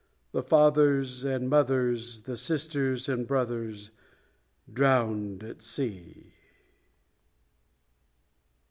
The fathers and mothers, The sisters and brothers Drowned at Sea!